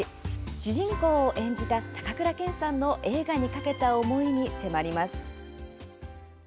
主人公を演じた高倉健さんの映画にかけた思いに迫ります。